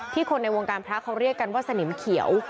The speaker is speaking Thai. คนในวงการพระเขาเรียกกันว่าสนิมเขียว